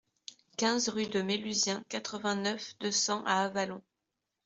quinze rue de Méluzien, quatre-vingt-neuf, deux cents à Avallon